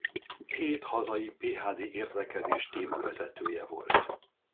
Hét hazai PhD értekezés témavezetője volt.